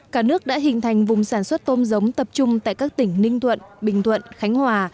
cả nước đã hình thành vùng sản xuất tôm giống tập trung tại các tỉnh ninh thuận bình thuận khánh hòa